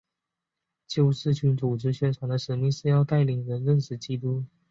救世军组织宣传的使命是要带领人认识基督。